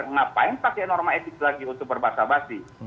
mengapa yang pakai norma etik lagi untuk berbahasa basi